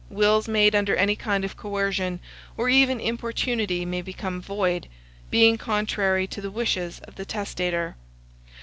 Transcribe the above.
Wills made under any kind of coercion, or even importunity may become void, being contrary to the wishes of the testator.